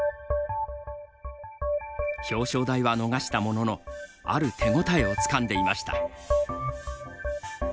表彰台は逃したもののある手応えをつかんでいました。